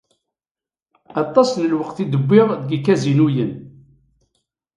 Aṭas n lweqt i d-wwiɣ deg ikazinuyen.